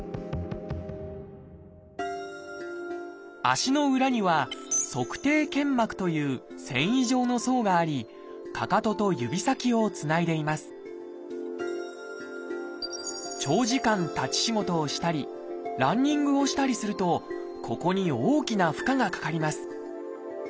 足の裏には「足底腱膜」という繊維状の層がありかかとと指先をつないでいます長時間立ち仕事をしたりランニングをしたりするとここに大きな負荷がかかります。